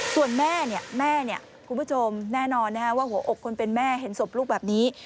ส่วนแม่คุณผู้ชมแน่นอนว่าหัวอกคนเป็นแม่เห็นศพลูกแบบนี้